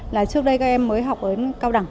trước đây các em mới học ở cao đẳng